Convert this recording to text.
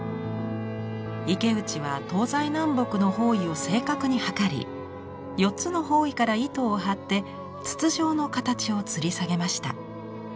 池内は東西南北の方位を正確に測り４つの方位から糸を張って筒状の形をつり下げました。